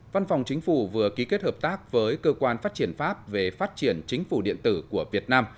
văn phòng chính phủ vừa ký kết hợp tác với cơ quan phát triển pháp về phát triển chính phủ điện tử của việt nam